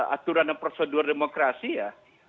aturan dan prosedur demokrasi ya